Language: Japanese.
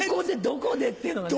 どこで？っていうのが。